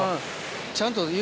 ちゃんと。